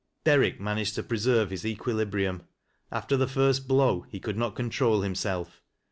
Derrick managed to preserve his equilibrium. After the first blow, he could not control himself.